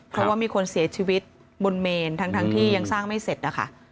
เพราะว่ามีคนเสียชีวิตบนเมนทั้งที่ยังสร้างไม่เสร็จนะคะ